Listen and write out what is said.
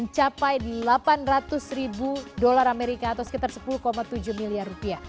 mencapai delapan ratus ribu dolar amerika atau sekitar sepuluh tujuh miliar rupiah